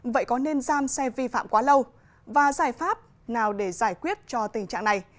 vậy có nên giam xe vi phạm quá lâu và giải pháp nào để giải quyết cho tình trạng này